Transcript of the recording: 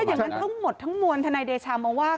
อย่างนั้นทั้งหมดทั้งมวลทนายเดชามองว่า